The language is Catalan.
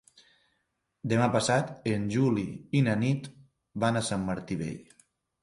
Demà passat en Juli i na Nit van a Sant Martí Vell.